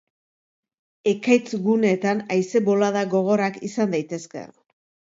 Ekaitz-guneetan haize-bolada gogorrak izan daitezke.